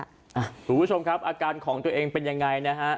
คุณผู้ชมครับอาการของตัวเองเป็นยังไงนะฮะ